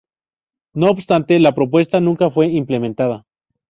No obstante, la propuesta nunca fue implementada.